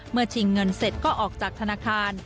ชิงเงินเสร็จก็ออกจากธนาคาร